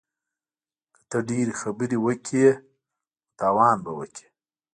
که ته ډیرې خبرې وکړې نو تاوان به وکړې